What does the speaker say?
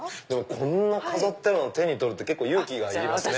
こんな飾ってあるの手に取るって結構勇気がいりますね。